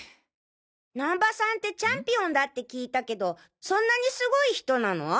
難波さんってチャンピオンだって聞いたけどそんなにすごい人なの？